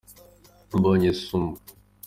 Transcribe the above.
mbonye isumo.